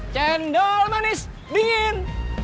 cendol manis dingin